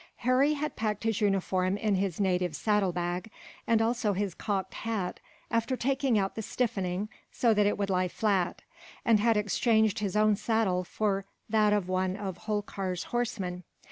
Harry had packed his uniform in his native saddlebag; and also his cocked hat, after taking out the stiffening so that it would lie flat; and had exchanged his own saddle for that of one of Holkar's horsemen.